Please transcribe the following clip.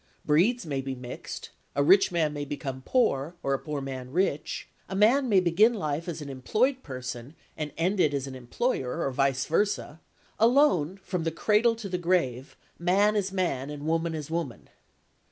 Breeds may be mixed, a rich man may become poor, or a poor man rich; a man may begin life as an employed person, and end it as an employer, or vice versa; alone from the cradle to the grave, man is man and woman is woman.